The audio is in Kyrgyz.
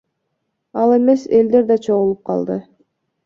Ал эмес элдер да чогулуп калды.